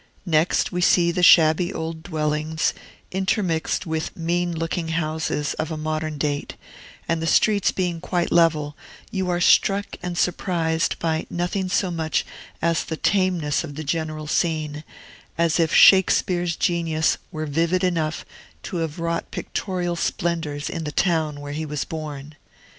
Next we see the shabby old dwellings, intermixed with mean looking houses of modern date; and the streets being quite level, you are struck and surprised by nothing so much as the tameness of the general scene, as if Shakespeare's genius were vivid enough to have wrought pictorial splendors in the town where he was born.